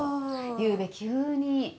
ゆうべ急に。